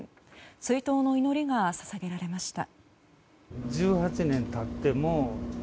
追悼の祈りが捧げられました。